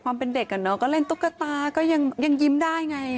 ความเป็นเด็กกับน้องก็เล่นตุ๊กตาก็ยังยิ้มได้ไง